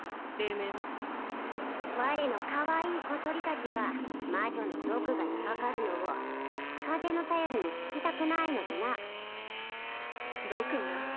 黎明の我のかわいい小鳥達が魔女の毒牙にかかるのを風の便りに聞きたくないのでな毒牙？